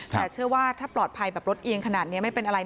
แต่เชื่อว่าถ้าปลอดภัยแบบรถเอียงขนาดนี้ไม่เป็นอะไรนะ